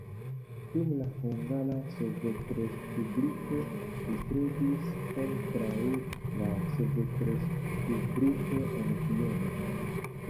Dum la Hungara Sovetrespubliko li strebis kontraŭ la sovetrespubliko en Vieno.